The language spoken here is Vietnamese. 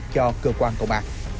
cho cơ quan công an